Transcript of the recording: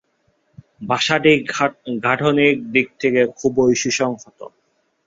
ভাষাটি গাঠনিক দিক থেকে খুবই সুসংহত।